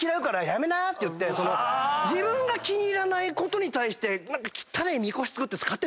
自分が気に入らないことに対して。